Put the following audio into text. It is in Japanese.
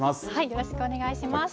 よろしくお願いします。